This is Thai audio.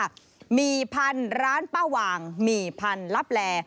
หมี่พันธุ์ร้านป้าหว่างหมี่พันธุ์ลับแล